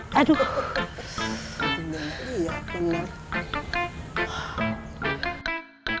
tentang ini aku ngerti